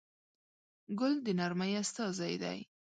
ګل د نرمۍ استازی دی.